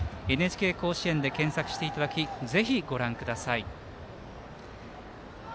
ＮＨＫ甲子園で検索してぜひご覧ください。